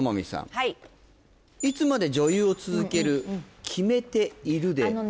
はい「いつまで女優を続ける決めている」であのね